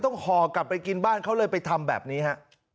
ห่อกลับไปกินบ้านเขาเลยไปทำแบบนี้ฮะ